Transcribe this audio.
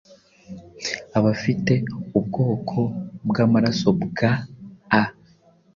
abafite ubwoko bw’amaraso bwa A